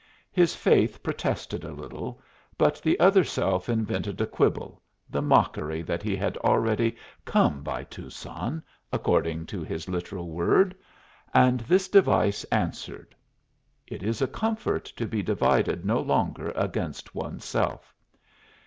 His faith protested a little, but the other self invented a quibble, the mockery that he had already "come by Tucson," according to his literal word; and this device answered. It is a comfort to be divided no longer against one's self.